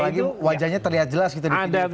apalagi wajahnya terlihat jelas gitu di video video itu